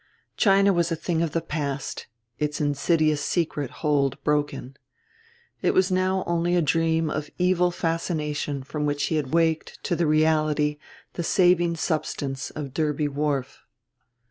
China was a thing of the past, its insidious secret hold broken. It was now only a dream of evil fascination from which he had waked to the reality, the saving substance, of Derby Wharf.